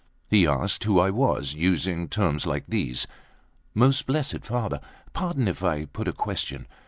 He asked who I was, using terms like these: "Most blessed Father, pardon if I put a question.